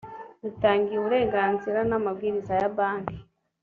bitangiwe uburenganzira n amabwiriza ya banki